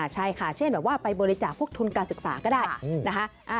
ใช่ค่ะเช่นแบบว่าไปบริจาคพวกทุนการศึกษาก็ได้นะคะ